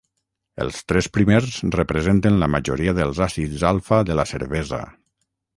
Els tres primers representen la majoria dels àcids alfa de la cervesa.